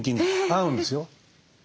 合うんですよ。